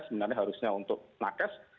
sebenarnya harusnya untuk nakes